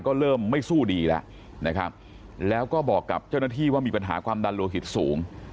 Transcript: ก็เริ่มไม่สู้ดีแล้วนะครับแล้วก็บอกกับเจ้าหน้าที่ว่ามีปัญหาความดันโลหิตสูง